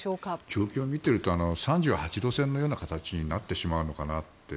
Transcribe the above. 状況を見ていると３８度線のような形になってしまうのかなって。